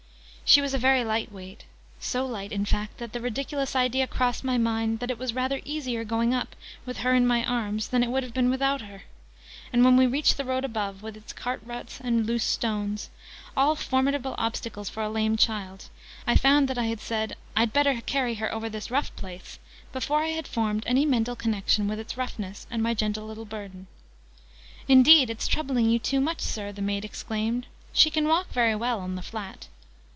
{Image...The lame child} She was a very light weight so light, in fact, that the ridiculous idea crossed my mind that it was rather easier going up, with her in my arms, than it would have been without her: and, when we reached the road above, with its cart ruts and loose stones all formidable obstacles for a lame child I found that I had said "I'd better carry her over this rough place," before I had formed any mental connection between its roughness and my gentle little burden. "Indeed it's troubling you too much, Sir!" the maid exclaimed. "She can walk very well on the flat."